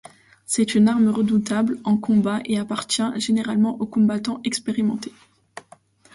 C’est une arme redoutable en combat et appartient généralement aux combattants expérimentés.